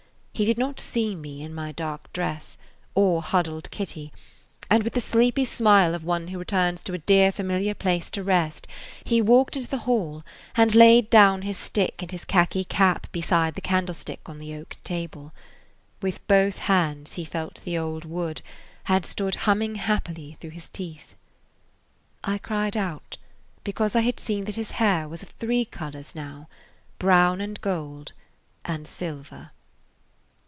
He [Page 43] did not see me, in my dark dress, or huddled Kitty, and with the sleepy smile of one who returns to a dear, familiar place to rest he walked into the hall and laid down his stick and his khaki cap beside the candlestick on the oak table. With both hands he felt the old wood, and stood humming happily through his teeth. I cried out, because I had seen that his hair was of three colors now, brown and gold and silver.